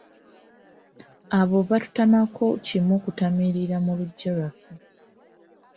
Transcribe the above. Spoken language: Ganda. Abo baatutamako kimu kutamiirira mu luggya lwaffe.